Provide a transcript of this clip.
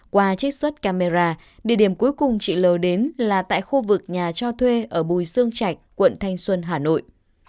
qua trích xuất camera địa điểm cuối cùng chị l đến là tại khu vực nhà cho thuê ở bùi sương trạch quận thanh xuân hà nội